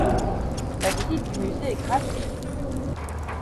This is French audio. La visite du musée est gratuite.